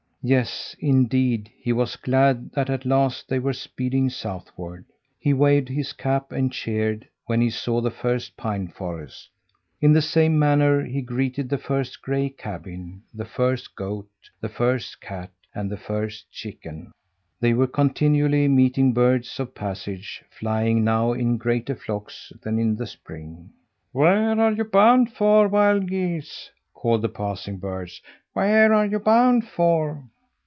Yes, indeed, he was glad that at last they were speeding southward. He waved his cap and cheered when he saw the first pine forest. In the same manner he greeted the first gray cabin, the first goat, the first cat, and the first chicken. They were continually meeting birds of passage, flying now in greater flocks than in the spring. "Where are you bound for, wild geese?" called the passing birds. "Where are you bound for?"